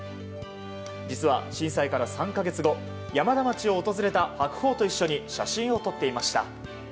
実は、震災から３か月後山田町を訪れた白鵬と一緒に写真を撮っていました。